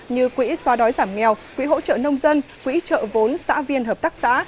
như quỹ xóa đói giảm nghèo quỹ hỗ trợ nông dân quỹ trợ vốn xã viên hợp tác xã